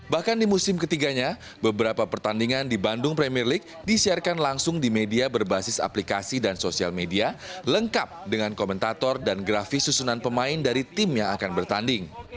bahkan di musim ketiganya beberapa pertandingan di bandung premier league disiarkan langsung di media berbasis aplikasi dan sosial media lengkap dengan komentator dan grafis susunan pemain dari tim yang akan bertanding